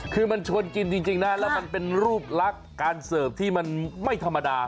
คือมันชวนกินจริงนะแล้วมันเป็นรูปลักษณ์การเสิร์ฟที่มันไม่ธรรมดา